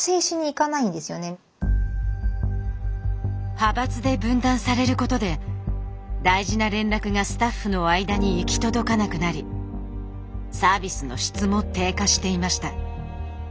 派閥で分断されることで大事な連絡がスタッフの間に行き届かなくなりサービスの質も低下していました。